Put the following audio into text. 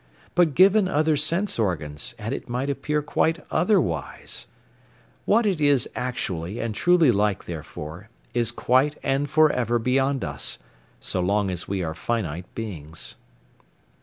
But given other sense organs, and it might appear quite otherwise. What it is actually and truly like, therefore, is quite and for ever beyond us so long as we are finite beings.